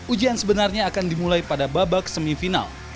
ujian sebenarnya akan dimulai pada babak semifinal